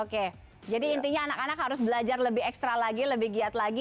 oke jadi intinya anak anak harus belajar lebih ekstra lagi lebih giat lagi